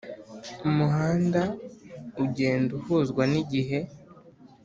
Umuhanda ugenda uhuzwa n igihe